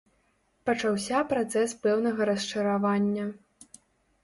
Пачаўся працэс пэўнага расчаравання.